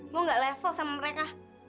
gue nggak level sama mereka